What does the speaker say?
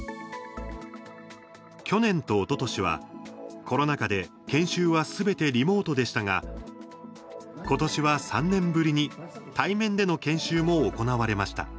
去年とおととしはコロナ禍で研修はすべてリモートでしたがことしは３年ぶりに対面での研修も行われました。